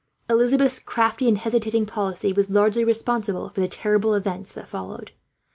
Elizabeth's crafty and hesitating policy was largely responsible for the terrible events that followed.